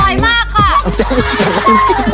อีกครึ่งนึงนะคะ